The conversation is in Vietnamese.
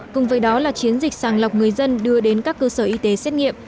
cùng với đó là chiến dịch sàng lọc người dân đưa đến các cơ sở y tế xét nghiệm